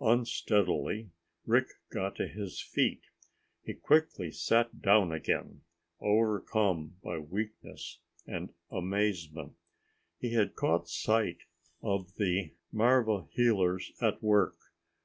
Unsteadily, Rick got to his feet. He quickly sat down again, overcome by weakness and amazement. He had caught sight of the marva healers at work.